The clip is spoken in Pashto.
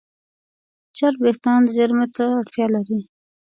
چرب وېښتيان زېرمه ته اړتیا لري.